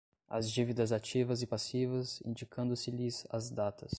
as dívidas ativas e passivas, indicando-se-lhes as datas